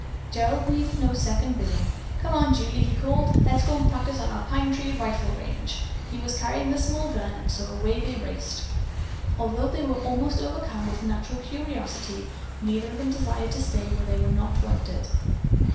Gerald needed no second bidding. "Come on, Julie," he called. "Let's go and practice on our pine tree rifle range." He was carrying the small gun, and so away they raced. Although they were almost overcome with natural curiosity, they neither of them desired to stay where they were not wanted.